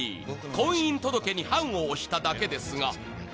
「婚姻届に判を捺しただけですが」